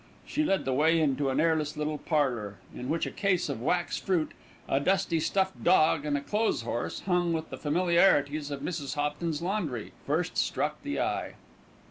She led the way into an airless little parlour, in which a case of wax fruit, a dusty stuffed dog and a clothes horse hung with the familiarities of Mrs. Hopton's laundry, first struck the eye.